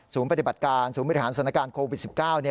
ศูนย์ปฏิบัติการศูนย์บริหารศนาการโควิด๑๙